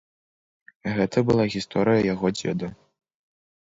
Гэта была гісторыя яго дзеда.